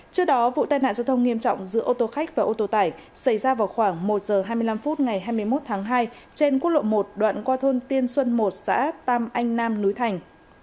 trước đó vụ tai nạn giao thông nghiêm trọng giữa ô tô khách và ô tô tải xảy ra vào khoảng một h hai mươi năm phút ngày hai mươi một tháng hai trên quốc lộ một đoạn qua thôn tiên xuân một xã tam anh nam núi thành